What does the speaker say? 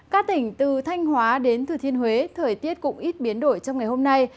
các tỉnh từ thanh hóa đến thừa thiên huế thời tiết cũng ít biến đổi trong ngày hôm nay